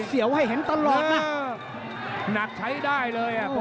เสียวให้เห็นตลอดนะหนักใช้ได้เลยอ่ะ